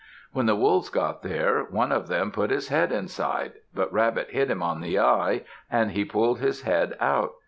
When the Wolves got there, one of them put his head inside, but Rabbit hit him on the eye and he pulled his head out.